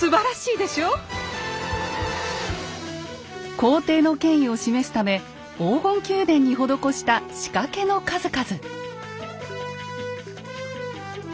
皇帝の権威を示すため黄金宮殿に施した仕掛けの数々。